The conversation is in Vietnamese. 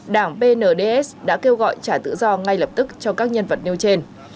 đảng pnds đã kêu gọi trả tự do ngay lập tức cho các nhân vật nêu trên